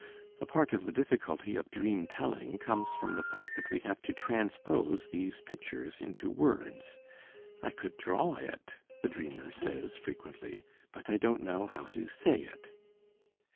A part of the difficulty of dream telling comes from the fact that we have to transpose these pictures into words. "I could draw it," the dreamer says frequently, "but I don't know how to say it."